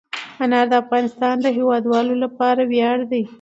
انار د افغانستان د هیوادوالو لپاره ویاړ دی.